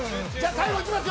◆最後行きますよ